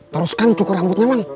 teruskan cukur rambutnya mang